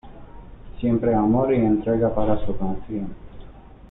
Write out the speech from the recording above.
Siempre amor y entrega para su canción.